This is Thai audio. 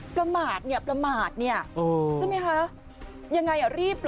ประมาทเนี้ยประมาทเนี้ยโอ้ใช่ไหมฮะยังไงอ่ะรีบเหรอ